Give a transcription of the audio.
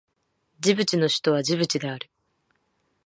ジブチの首都はジブチである